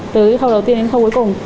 từ khâu đầu tiên đến khâu cuối cùng